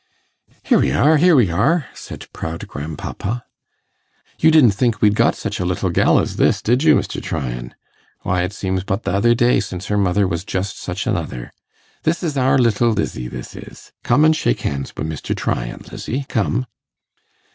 'Here we are, here we are!' said proud grandpapa. 'You didn't think we'd got such a little gell as this, did you, Mr. Tryan? Why, it seems but th' other day since her mother was just such another. This is our little Lizzie, this is. Come an' shake hands wi' Mr. Tryan, Lizzie; come.